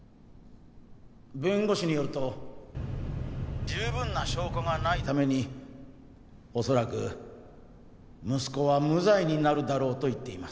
弁護士によると十分な証拠がないために恐らく息子は無罪になるだろうと言っています。